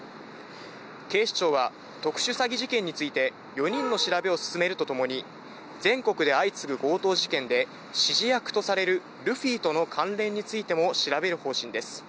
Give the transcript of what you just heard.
警視庁は特殊詐欺事件について４人の調べを進めるとともに全国で相次ぐ強盗事件で指示役とされるルフィとの関連についても調べる方針です。